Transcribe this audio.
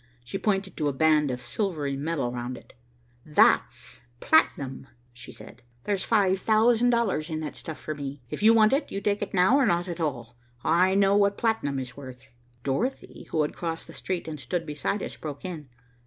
She pointed to a band of silvery metal round it. "That's platinum," she said. "There's five thousand dollars in that stuff for me. If you want it, you take it now or not at all. I know what platinum is worth." Dorothy, who had crossed the street and stood beside us, broke in.